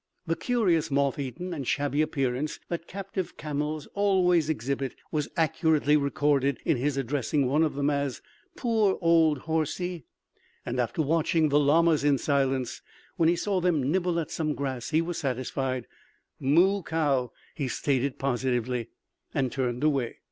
The curious moth eaten and shabby appearance that captive camels always exhibit was accurately recorded in his addressing one of them as "poor old horsie." And after watching the llamas in silence, when he saw them nibble at some grass he was satisfied. "Moo cow," he stated positively, and turned away.